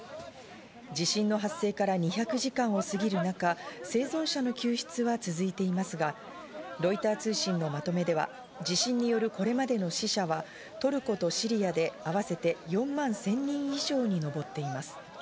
地震の発生から２００時間をすぎる中、生存者の救出は続いていますが、ロイター通信のまとめでは、地震によるこれまでの死者はトルコとシリアで合わせて４万１０００人以上に上っています。